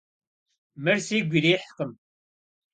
Mır sigu yirihkhım.